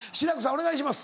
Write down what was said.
お願いします。